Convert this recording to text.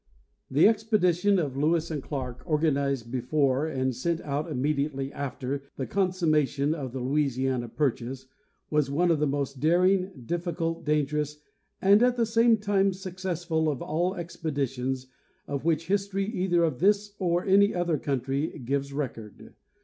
The expedition of Lewis and Clarke, organized before and sent out immediately after the consummation of the Louisiana pur chase, was one of the most daring, difficult, dangerous, and, at the same time, successful of the expeditions of which history, either of this or of any other country, gives record.